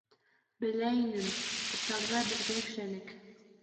Белә инем, утарҙа бергә эшләнек.